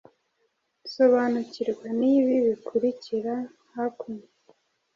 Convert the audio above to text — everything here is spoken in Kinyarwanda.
sobanukirwa n'ibi bikurikira hakuno